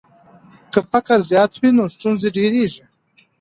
که فقر زیات وي نو ستونزې ډېریږي.